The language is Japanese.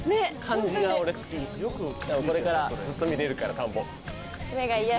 これからずっと見れるから田んぼ。